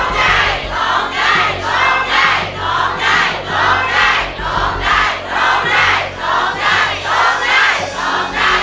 โทษให้โทษให้โทษให้